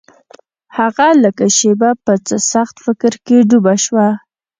هغه لږه شېبه په څه سخت فکر کې ډوبه شوه.